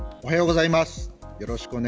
おはようございます。